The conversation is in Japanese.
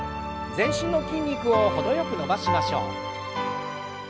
全身の筋肉を程よく伸ばしましょう。